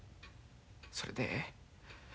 それで。